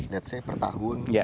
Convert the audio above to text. let's say per tahun